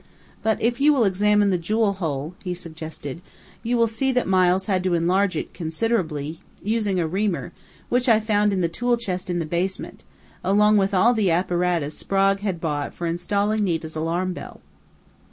But if you will examine the jewel hole," he suggested, "you will see that Miles had to enlarge it considerably, using a reamer, which I found in the tool chest in the basement, along with all the apparatus Sprague had bought for installing Nita's alarm bell.